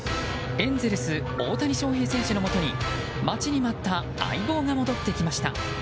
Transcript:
エンゼルス大谷翔平選手のもとに待ちに待った相棒が戻ってきました。